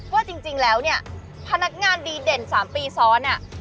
ว่าจริงแล้วเนี่ยพนักงานดีเด่น๓ปีซ้อนเนี่ย